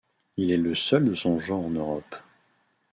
Il est le seul de son genre en Europe.